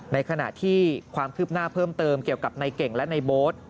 ในขณะที่ความคืบหน้าเพิ่มเติมเกี่ยวกับในเก่งและในโบ๊ท